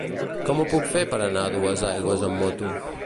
Com ho puc fer per anar a Duesaigües amb moto?